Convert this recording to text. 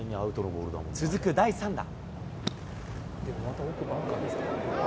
続く第３打。